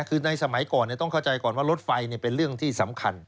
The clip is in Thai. คือในสมัยก่อนต้องเข้าใจก่อนว่ารถไฟเป็นเรื่องที่สำคัญ